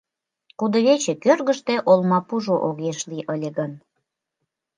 Кудывече кӧргыштӧ олмапужо огеш лий ыле гын